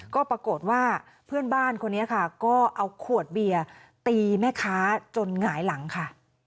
ก็ปรากฏว่าเพื่อนบ้านคนนี้ค่ะก็เอาขวดเบียร์ตีแม่ค้าจนหงายหลังค่ะ